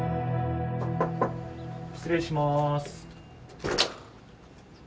失礼します。